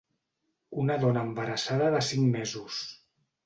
Una dona embarassada de cinc mesos.